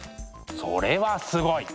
それはすごい！